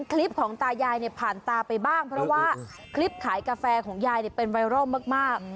คลิปของตายายเนี่ยผ่านตาไปบ้างเพราะว่าคลิปขายกาแฟของยายเป็นไวรัลมาก